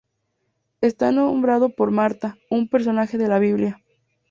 Está nombrado por Marta, un personaje de la Biblia.